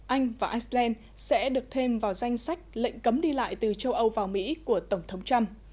anh và iceland sẽ được thêm vào danh sách lệnh cấm đi lại từ châu âu vào mỹ của tổng thống trump